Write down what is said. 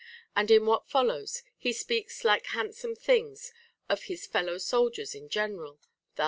And in what follows, he speaks like handsome things of his fellow soldiers in general, thus :—* 11.